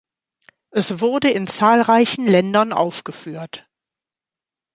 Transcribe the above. Es wurde in zahlreichen Ländern aufgeführt.